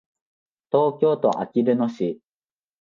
東京都あきる野市